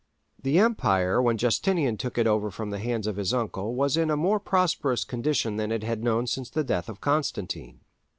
The empire when Justinian took it over from the hands of his uncle was in a more prosperous condition than it had known since the death of Constantine.